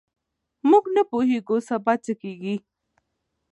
موږ نه پوهېږو سبا څه کیږي.